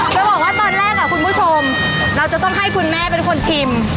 จะบอกว่าตอนแรกคุณผู้ชมเราจะต้องให้คุณแม่เป็นคนชิม